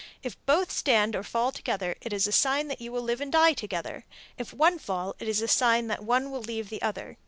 If both stand or fall together, it is a sign that you will live and die together. If one fall, it is a sign that one will leave the other.